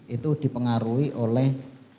itu dipengaruhi oleh